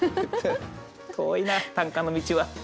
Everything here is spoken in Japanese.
遠いな短歌の道は。